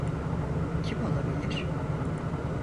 Kim olabilir?